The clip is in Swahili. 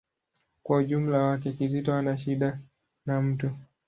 Kwa ujumla wake, Kizito hana shida na mtu.